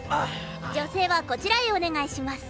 女性はこちらへお願いします。